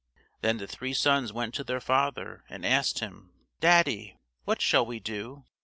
Then the three sons went to their father, and asked him: "Daddy, what shall we do?